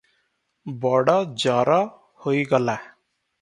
ବଡ଼ ଜର ହୋଇଗଲା ।"